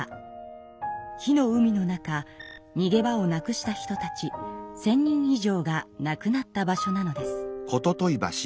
火の海の中にげ場をなくした人たち１，０００人以上が亡くなった場所なのです。